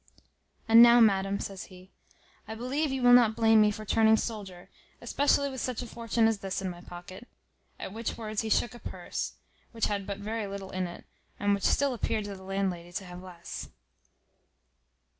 And now, madam," says he, "I believe you will not blame me for turning soldier, especially with such a fortune as this in my pocket." At which words he shook a purse, which had but very little in it, and which still appeared to the landlady to have less.